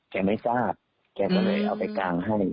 แกไม่ทราบแกก็เลยเอาไปกางให้